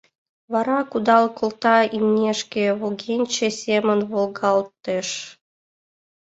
Вара кудал колта имнешке, волгенче семын волгалтеш.